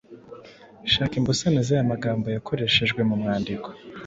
Shaka imbusane z’aya magambo yakoreshejwe mu mwandiko: